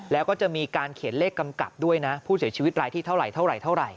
แล้วก็จะมีการเขียนเลขกำกับด้วยนะผู้เสียชีวิตรายที่เท่าไหรเท่าไหร่